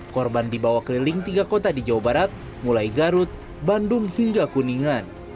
korban dibawa keliling tiga kota di jawa barat mulai garut bandung hingga kuningan